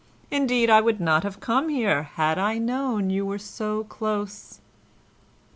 Indeed, I would not have come here had I known you were so close."